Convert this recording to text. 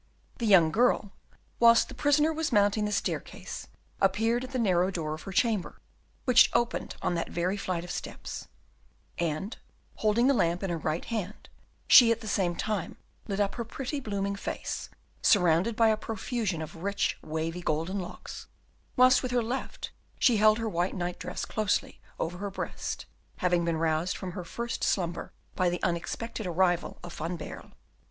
The young girl, whilst the prisoner was mounting the staircase, appeared at the narrow door of her chamber, which opened on that very flight of steps; and, holding the lamp in her right hand, she at the same time lit up her pretty blooming face, surrounded by a profusion of rich wavy golden locks, whilst with her left she held her white night dress closely over her breast, having been roused from her first slumber by the unexpected arrival of Van Baerle.